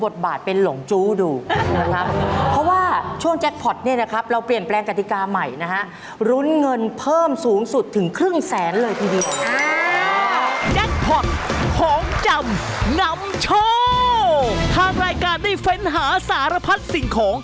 ถ้ารายการได้เฟ้นหาสารพัดสิ่งของ